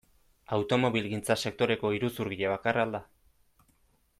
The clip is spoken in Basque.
Automobilgintza sektoreko iruzurgile bakarra al da?